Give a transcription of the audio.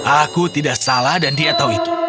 aku tidak salah dan dia tahu itu